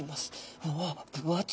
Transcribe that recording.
うわ分厚いぞ。